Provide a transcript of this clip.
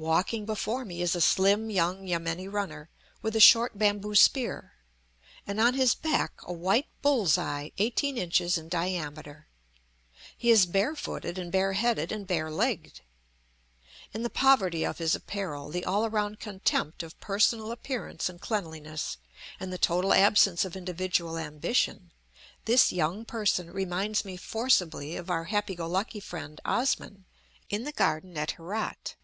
Walking before me is a slim young yameni runner with a short bamboo spear, and on his back a white bull's eye eighteen inches in diameter; he is bare footed and bare headed and bare legged. In the poverty of his apparel, the all round contempt of personal appearance and cleanliness, and the total absence of individual ambition, this young person reminds me forcibly of our happy go lucky friend Osman, in the garden at Herat.